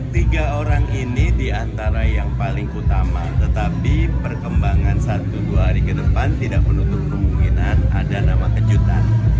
tiga orang ini diantara yang paling utama tetapi perkembangan satu dua hari ke depan tidak menutup kemungkinan ada nama kejutan